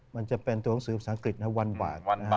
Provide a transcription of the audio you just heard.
มันจะเป็นตัวหนังสือภาษาอังกฤษวันหวาน